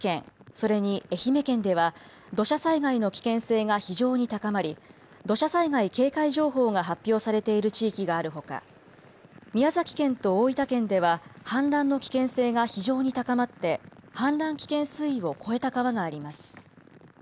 それに愛媛県では土砂災害の危険性が非常に高まり土砂災害警戒情報が発表されている地域があるほか宮崎県と大分県では氾濫の危険性が非常に高まって氾濫危険水位を超えた川があります。